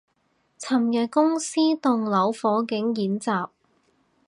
尋日公司棟樓火警演習